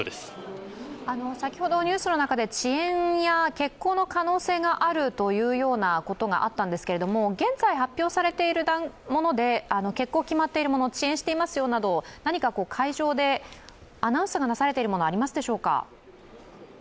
先ほどニュースの中で遅延や欠航の可能性があるというようなことがあったんですけど現在、発表されているもので欠航が決まっているもの遅延していますよなど、何か会場でアナウンスがされているもの、ありますでしょうか。